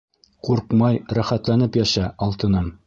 Ҡурҡмай, рәхәтләнеп йәшә, алтыным!..